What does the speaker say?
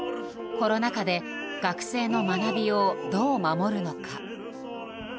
コロナ禍で学生の学びをどう守るのか。